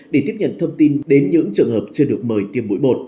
để tiếp nhận thông tin đến những trường hợp chưa được mời tiêm mũi bột